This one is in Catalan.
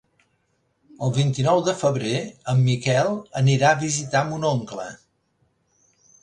El vint-i-nou de febrer en Miquel anirà a visitar mon oncle.